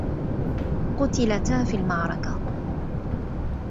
قُتلتا في المعركة.